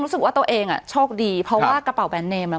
รู้สึกว่าตัวเองอ่ะโชคดีเพราะว่ากระเป๋าแบรนเนมอ่ะ